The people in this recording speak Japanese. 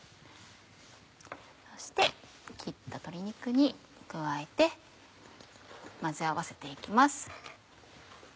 そして切った鶏肉に加えて混ぜ合わせて行きます。